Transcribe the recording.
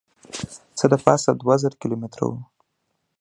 څه دپاسه دوه زره کیلو متره